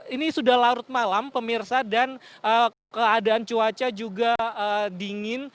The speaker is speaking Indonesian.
ini sudah larut malam pemirsa dan keadaan cuaca juga dingin